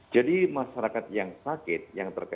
jadi masyarakat yang sakit yang terpapar